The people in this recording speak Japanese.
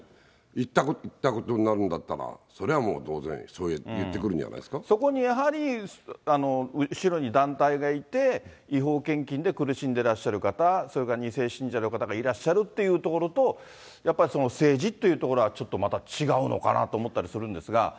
言ったことになるんだったら、それはもう当然、そこにやはり、後ろに団体がいて、違法献金で苦しんでらっしゃる方、それから２世信者の方がいらっしゃるっていうところと、やっぱり政治というところは、ちょっとまた違うのかなと思ったりするんですが。